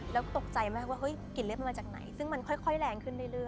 แล้วตกใจมากว่าเฮ้ยกลิ่นเล็บมันมาจากไหนซึ่งมันค่อยแรงขึ้นเรื่อย